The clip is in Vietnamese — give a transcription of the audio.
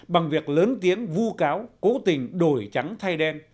bằng việc lớn tiếng vu cáo cố tình đổi trắng thay đen